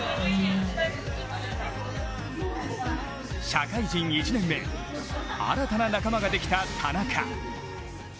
社会人１年目、新たな仲間ができた田中。